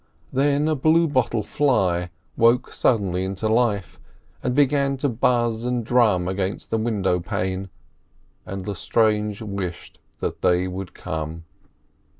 Then a bluebottle fly awoke suddenly into life and began to buzz and drum against the window pane, and Lestrange wished that they would come.